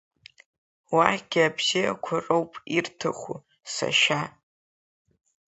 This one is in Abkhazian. Уахьгьы абзиақәа роуп ирҭаху, сашьа!